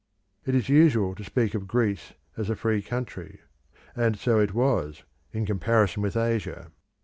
It is usual to speak of Greece as a free country; and so it was in comparison with Asia.